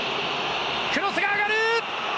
クロスが上がる！